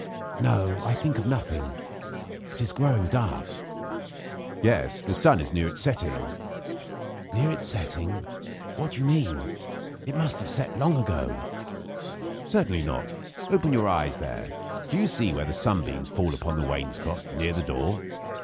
"No, I think of nothing, It is growing dark." "Yes; the sun is near its setting." "Near its setting? What do you mean? It must have set long ago." "Certainly not. Open your eyes there. Do you see where the sunbeams fall upon the wainscot, near the door?"